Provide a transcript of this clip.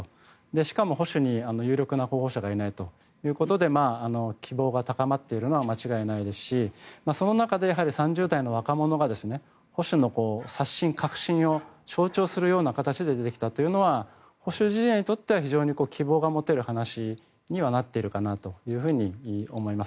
しかも保守に有力な候補者がいないということで希望が高まっているのは間違いないですしその中で、やはり３０代の若者が保守の刷新、革新を象徴するような形で出てきたというのは保守陣営にとっては非常に希望が持てる話にはなっているかなと思います。